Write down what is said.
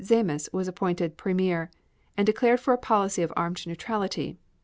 Zaimis was appointed Premier, and declared for a policy of armed neutrality.